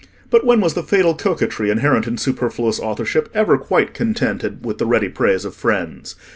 But when was the fatal coquetry inherent in superfluous authorship ever quite contented with the ready praise of friends?